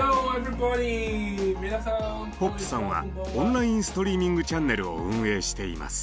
ポップさんはオンラインストリーミングチャンネルを運営しています。